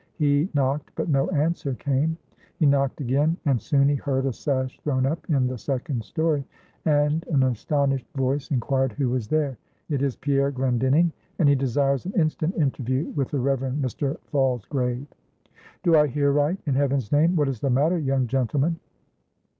He knocked, but no answer came. He knocked again, and soon he heard a sash thrown up in the second story, and an astonished voice inquired who was there? "It is Pierre Glendinning, and he desires an instant interview with the Reverend Mr. Falsgrave." "Do I hear right? in heaven's name, what is the matter, young gentleman?"